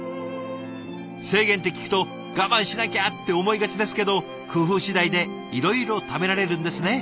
制限って聞くと我慢しなきゃって思いがちですけど工夫次第でいろいろ食べられるんですね。